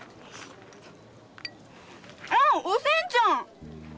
あおせんちゃん！